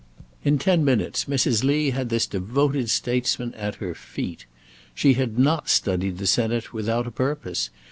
In ten minutes Mrs. Lee had this devoted statesman at her feet. She had not studied the Senate without a purpose.